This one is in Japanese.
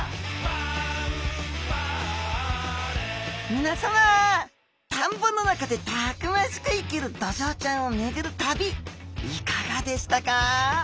皆さま田んぼの中でたくましく生きるドジョウちゃんを巡る旅いかがでしたか？